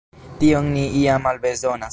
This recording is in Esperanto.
Tion ni ja malbezonas.